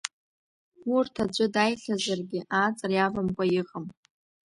Урҭ аӡәы дааихьазаргьы ааҵра иавамкәа иҟам.